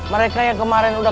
oke saya kesana